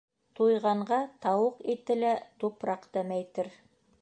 Туйғанға тауыҡ ите лә тупраҡ тәмәйтер.